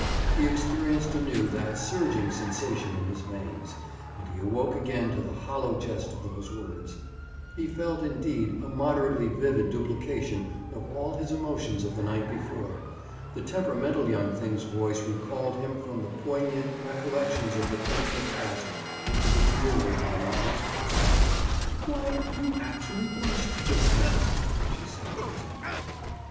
He experienced anew that surging sensation in his veins. And he awoke again to the hollow jest of those words! He felt, indeed, a moderately vivid duplication of all his emotions of the night before. The temperamental young thing's voice recalled him from the poignant recollections of the painful past into the dreary and monotonous present. "Why, you actually blushed, just now," she said accusingly.